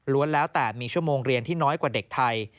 แล้วแต่มีชั่วโมงเรียนที่น้อยกว่าเด็กไทย